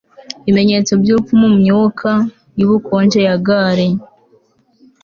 Ibimenyetso byurupfu mumyuka yubukonje ya gale